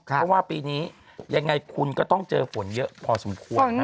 เพราะว่าปีนี้ยังไงคุณก็ต้องเจอฝนเยอะพอสมควร